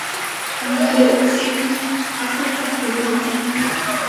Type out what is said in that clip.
আমাদের একটু একা থাকতে দাও, বন্ধুরা।